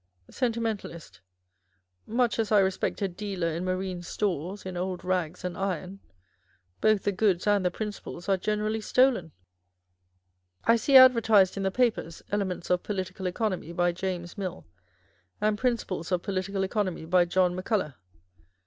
Sentimentalist. Much as I respect a dealer in marine stores, in old rags and iron : both the goods and the principles are generally stolen. I see advertised in the papers â€" Elements of Political Economy, by James Mill, and Principles of Political Economy, by John McCul loch.